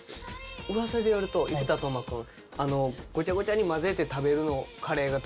うわさによると生田斗真君は。